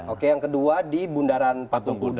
oke yang kedua di bundaran patung kuda